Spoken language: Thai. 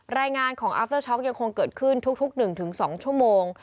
รายงานของอัพเตอร์ช็อกยังคงเกิดขึ้นทุกทุกหนึ่งถึงสองชั่วโมง